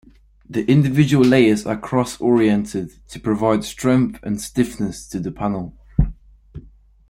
The individual layers are cross-oriented to provide strength and stiffness to the panel.